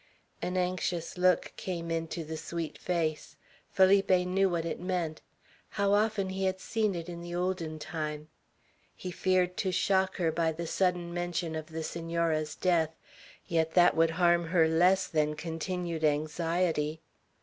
An anxious look came into the sweet face. Felipe knew what it meant. How often he had seen it in the olden time. He feared to shock her by the sudden mention of the Senora's death; yet that would harm her less than continued anxiety.